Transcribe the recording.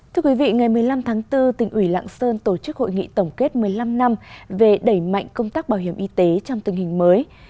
thưa quý vị ngày một mươi năm tháng bốn tỉnh ủy lạng sơn tổ chức hội nghị tổng kết một mươi năm năm về đẩy mạnh công tác bảo hiểm y tế trong tình hình mới